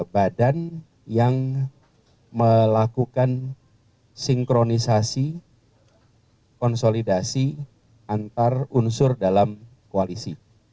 badan yang melakukan sinkronisasi konsolidasi antar unsur dalam koalisi